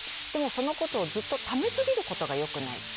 でもそのことをずっとため過ぎることがよくない。